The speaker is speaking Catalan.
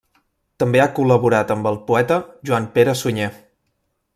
També ha col·laborat amb el poeta Joan-Pere Sunyer.